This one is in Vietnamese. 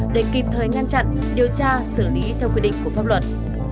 để kịp thời ngăn chặn điều tra xử lý theo quy định của pháp luật